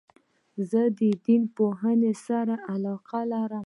زه د دین پوهني سره علاقه لرم.